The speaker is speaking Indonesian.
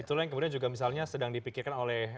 itulah yang kemudian juga misalnya sedang dipikirkan oleh